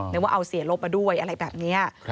นึกว่าเอาเสียลบมาด้วยอะไรแบบนี้